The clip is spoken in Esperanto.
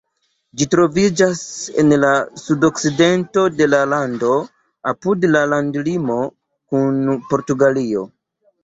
Ĝi troviĝas en la sudokcidento de la lando, apud la landlimo kun Portugalio.